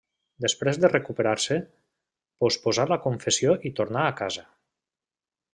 Després de recuperar-se, posposà la confessió i tornà a casa.